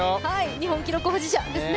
日本記録保持者ですね。